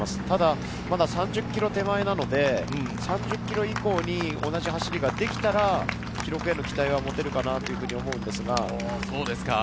ただ、まだ３０ｋｍ手前なので１０ｋｍ以降に同じ走りができたら記録への期待が持てるかなと思うんですが。